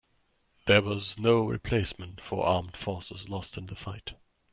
There was no replacement for armed forces lost in the fight.